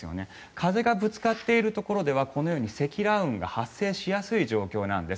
風がぶつかっているところではこのように積乱雲が発生しやすい状況なんです。